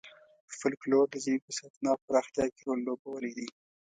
فولکلور د ژبې په ساتنه او پراختیا کې رول لوبولی دی.